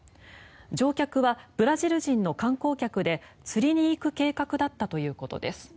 乗客はブラジル人の観光客で釣りに行く計画だったということです。